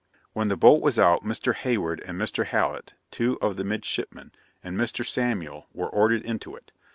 'When the boat was out, Mr. Hayward and Mr. Hallet, two of the midshipmen, and Mr. Samuel, were ordered into it.